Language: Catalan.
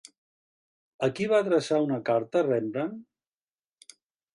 A qui va adreçar una carta Rembrandt?